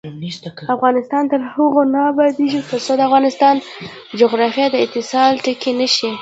افغانستان تر هغو نه ابادیږي، ترڅو د افغانستان جغرافیه د اتصال ټکی نشي.